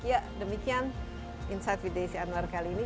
ya demikian insight with desi anwar kali ini